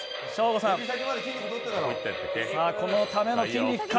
さぁ、このための筋肉か。